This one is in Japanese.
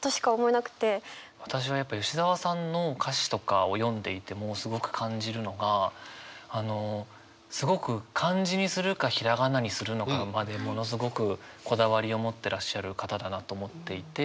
私はやっぱ吉澤さんの歌詞とかを読んでいてもすごく感じるのがあのすごく漢字にするかひらがなにするのかまでものすごくこだわりを持ってらっしゃる方だなと思っていて。